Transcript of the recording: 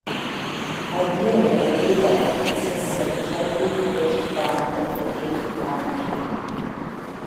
Ideally, a "lulav" consists of a tightly closed frond of the date palm tree.